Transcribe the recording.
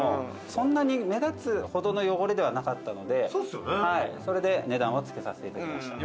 そんなに目立つほどの汚れではなかったのでそれで値段をつけさせていただきました。